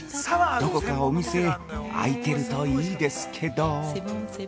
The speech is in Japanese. どこかお店開いてるといいですけど。